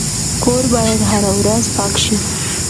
کور باید هره ورځ پاک شي.